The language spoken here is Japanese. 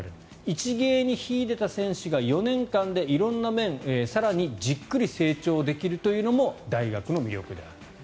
一芸に秀でた選手が４年間で色んな面更にじっくり色んな成長ができるというのが大学の魅力である。